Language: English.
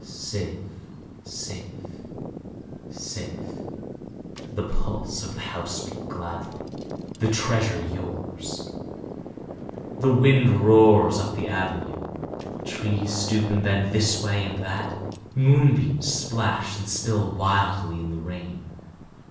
"Safe, safe, safe," the pulse of the house beat gladly. "The Treasure yours."The wind roars up the avenue. Trees stoop and bend this way and that. Moonbeams splash and spill wildly in the rain.